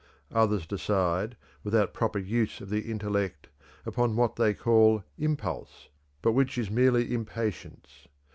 Others decide, without proper use of the intellect, upon what they call "impulse," but which is merely impatience.